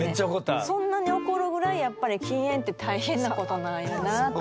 そんなに怒るぐらいやっぱり禁煙って大変なことなんやなぁと。